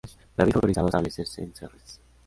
David fue autorizado a establecerse en Serres.